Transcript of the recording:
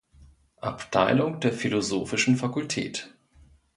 Abteilung der Philosophischen Fakultät.